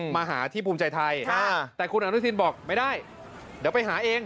มาหาที่ภูมิใจไทยแต่คุณอนุทินบอกไม่ได้เดี๋ยวไปหาเอง